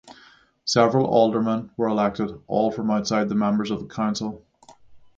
Several aldermen were elected, all from outside the members of the council.